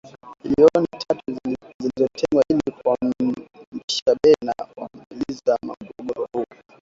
Milioni tatu zilizotengwa ili kuimarisha bei na kumaliza mgogoro huo.